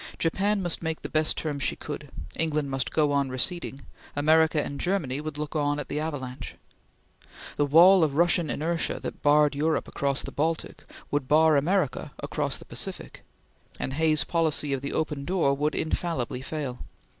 Japan must make the best terms she could; England must go on receding; America and Germany would look on at the avalanche. The wall of Russian inertia that barred Europe across the Baltic, would bar America across the Pacific; and Hay's policy of the open door would infallibly fail.